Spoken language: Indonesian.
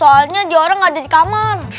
soalnya dia orang gak ada di kamar